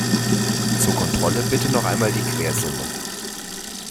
Zur Kontrolle bitte noch mal die Quersumme.